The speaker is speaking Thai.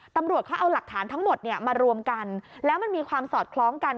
ตำรวจเขาเอาหลักฐานทั้งหมดเนี่ยมารวมกันแล้วมันมีความสอดคล้องกัน